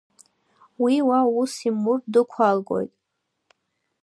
Уи уа аус имуртә дықәаагоит.